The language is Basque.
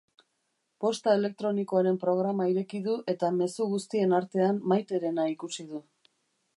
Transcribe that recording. Posta elektronikoaren programa ireki du eta mezu guztien artean Maiterena ikusi du.